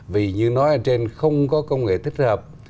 vì như nói ở trên không có công nghệ tích hợp